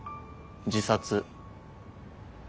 自殺。